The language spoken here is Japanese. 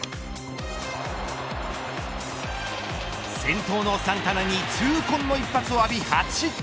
先頭のサンタナに痛恨の一発を浴び初失点。